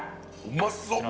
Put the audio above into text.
うまそう。